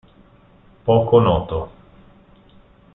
Poco noto.